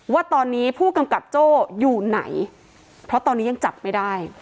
ว่าตอนนี้ผู้กำกับโจ้อยู่ไหนเพราะตอนนี้ยังจับไม่ได้